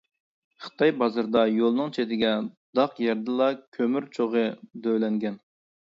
خىتاي بازىرىدا يولنىڭ چېتىگە داق يەردىلا كۆمۈر چوغى دۆۋىلەنگەن.